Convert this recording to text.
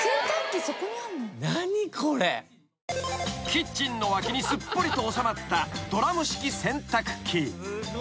［キッチンの脇にすっぽりと収まったドラム式洗濯機］